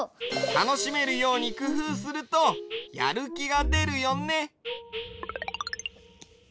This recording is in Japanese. たのしめるようにくふうするとやるきがでるよね。